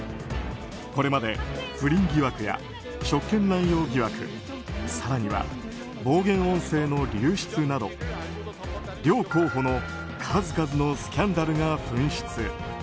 これまで不倫疑惑や職権乱用疑惑更には、暴言音声の流出など両候補の数々のスキャンダルが噴出。